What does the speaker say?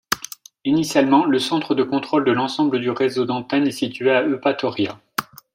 Initialement, le centre de contrôle de l'ensemble du réseau d'antennes est situé à Eupatoria.